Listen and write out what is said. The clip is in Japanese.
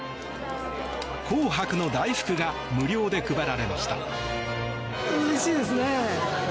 紅白の大福が無料で配られました。